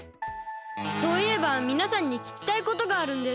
そういえばみなさんにききたいことがあるんです。